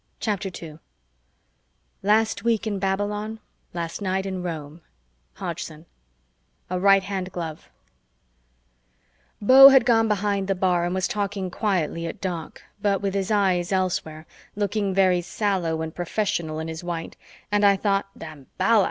CHAPTER 2 Last week in Babylon, Last night in Rome, Hodgson A RIGHT HAND GLOVE Beau had gone behind the bar and was talking quietly at Doc, but with his eyes elsewhere, looking very sallow and professional in his white, and I thought Damballa!